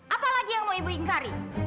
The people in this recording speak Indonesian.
apa lagi yang mau ibu ingkari